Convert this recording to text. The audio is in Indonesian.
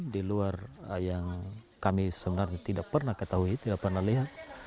di luar yang kami sebenarnya tidak pernah ketahui tidak pernah lihat